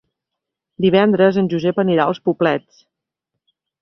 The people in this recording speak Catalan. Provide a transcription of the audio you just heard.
Divendres en Josep anirà als Poblets.